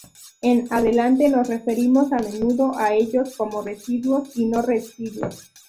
En adelante nos referimos a menudo a ellos como "residuos" y "no-residuos".